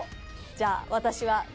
じゃあ私は。